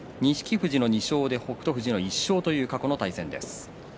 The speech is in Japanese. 富士の２勝で北勝富士の１勝という過去の対戦です。